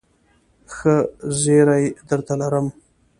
ښه زېری درته لرم ..